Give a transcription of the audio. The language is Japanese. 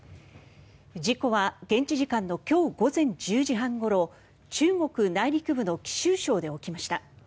事故は現地時間の今日午前１０時半ごろ中国内陸部の貴州省で起きました。